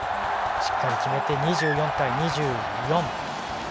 しっかり決めて２４対２４。